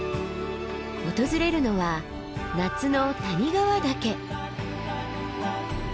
訪れるのは夏の谷川岳。